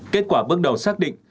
kết quả bước đầu xác định